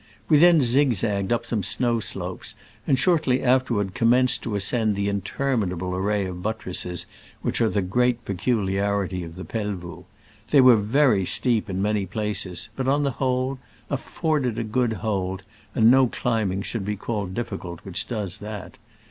We then zigzag ged up some snow slopes, and shortly afterward commenced to ascend the in terminable array of buttresses which are the great peculiarity of the Pelvoux. They were very steep in * many places, but on the whole afforded a good hold, and no climbing should be called diffi cult which does that.